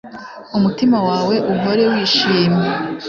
umutima wawe uhore wishimye